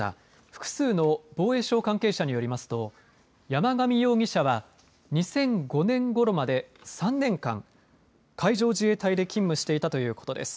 複数の防衛省関係者によりますと山上容疑者は２００５年ごろまで３年間、海上自衛隊で勤務していたということです。